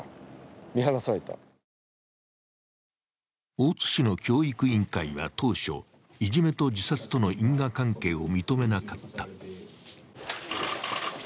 大津市の教育委員会は当初、いじめと自殺との因果関係を認めなかった。